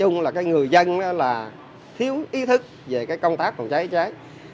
người dân thiếu ý thức về công tác phòng cháy cháy